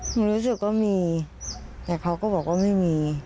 รู้สึกว่ามีแต่เขาก็บอกว่าไม่มี